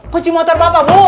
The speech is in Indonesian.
kunci motor ke apa bu